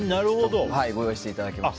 ご用意していただきました。